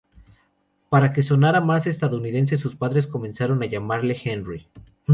Para que sonara más estadounidense, sus padres comenzaron a llamarle "Henry".